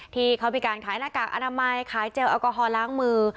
ที่เขามีการขายหน้ากากอนามัยขายเจลแอลกอฮอลล้างมือ